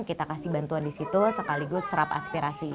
kita kasih bantuan di situ sekaligus serap aspirasi